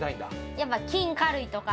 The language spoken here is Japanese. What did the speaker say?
やっぱ金貨類とか。